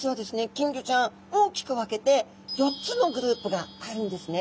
金魚ちゃん大きく分けて４つのグループがあるんですね。